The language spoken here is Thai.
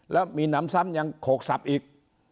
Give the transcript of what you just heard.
แล้วมีหนำซ้ำยังโขกสับอีก